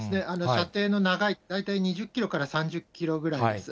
射程の長い、大体２０キロから３０キロぐらいです。